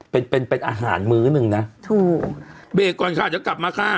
เป็นเป็นเป็นอาหารมื้อหนึ่งนะถูกเบรกก่อนค่ะเดี๋ยวกลับมาค่ะ